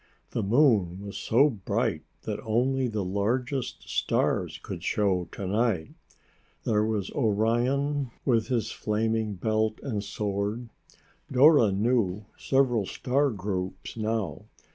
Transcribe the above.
The moon was so bright that only the largest stars could show to night. There was Orion with his flaming belt and sword. Dora knew several star groups now.